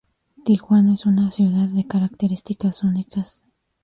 Tijuana es una ciudad de características únicas.